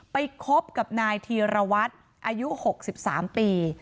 ไปคบกับนายธีรวรรษอายุหกสิบสามปี